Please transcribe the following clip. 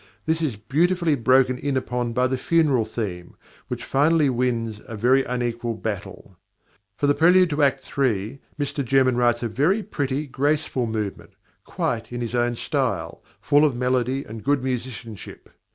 This is beautifully broken in upon by the funeral theme, which finally wins a very unequal battle. For the prelude to Act iii. Mr German writes a very pretty, graceful movement, quite in his own style, full of melody and good musicianship.